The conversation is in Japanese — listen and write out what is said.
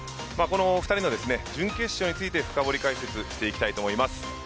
この２人の準決勝について深掘り解説していきます。